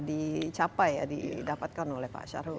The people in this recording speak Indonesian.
dicapai didapatkan oleh pak syarul